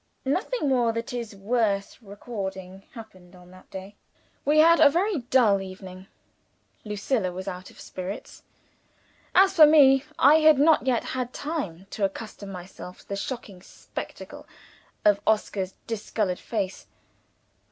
Nothing more that is worth recording happened on that day. We had a very dull evening. Lucilla was out of spirits. As for me, I had not yet had time to accustom myself to the shocking spectacle of Oscar's discolored face.